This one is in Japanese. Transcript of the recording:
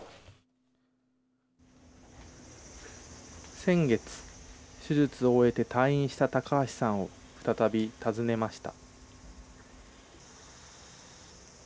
先月、手術を終えて退院した高橋さんを再び訪ねました。